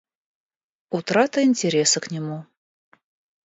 Утрата интереса к нему.